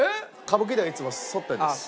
歌舞伎ではいつもそってるんです。